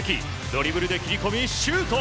ドリブルで切り込み、シュート！